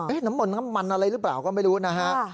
น้ำมนต์น้ำมันอะไรหรือเปล่าก็ไม่รู้นะฮะ